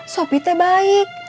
sopi teh baik